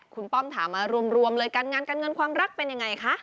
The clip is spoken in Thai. คุณป้อมถามมารวมเลยการงานการเงินความรักเป็นยังไงคะ